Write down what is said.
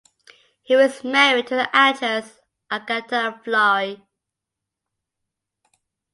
He was married to the actress Agata Flori.